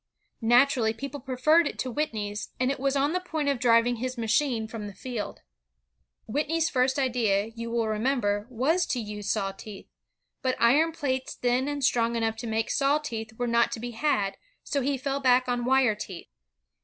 Naturally, people preferred it to Whitney's, and it was on the point of driving his machine from the field. Whitney's first idea, you will remember, was to use saw teeth. But iron plates thin and strong enough to make saw teeth were not to be had, so he fell back on wire teeth.